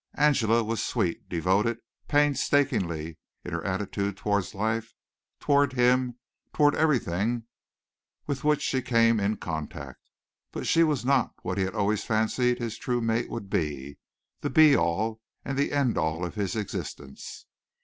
Angela was sweet, devoted, painstaking in her attitude toward life, toward him, toward everything with which she came in contact, but she was not what he had always fancied his true mate would be the be all and the end all of his existence.